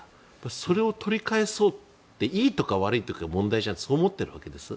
それを取り返そうっていいとか悪いという問題ではなくてそう思っているわけです。